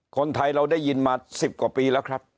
คนไทยเราได้ยินมา๑๐กว่าปีแล้วครับ